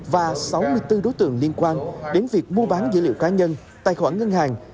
và sáu mươi bốn đối tượng liên quan đến việc mua bán dữ liệu cá nhân tài khoản ngân hàng